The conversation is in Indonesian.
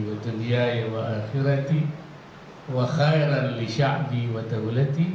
seperti tuah biasa